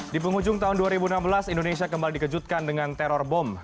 di penghujung tahun dua ribu enam belas indonesia kembali dikejutkan dengan teror bom